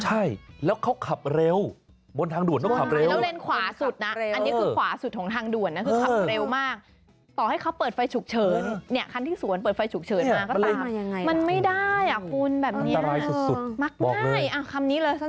ใช่แล้วเขาขับเร็วบนทางด่วนเขาขับเร็ว